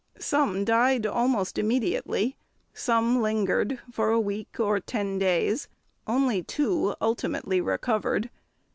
Some died almost immediately, some lingered for a week or ten days; only two ultimately recovered.